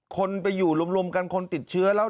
คนไปอยู่รวมกันคนติดเชื้อแล้ว